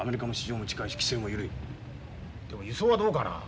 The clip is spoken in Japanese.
でも輸送はどうかな？